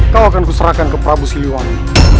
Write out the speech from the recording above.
kau akan kuserahkan ke prabu siliwani